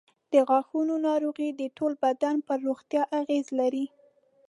د غاښونو ناروغۍ د ټول بدن پر روغتیا اغېز لري.